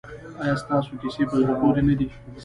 ایا ستاسو کیسې په زړه پورې نه دي؟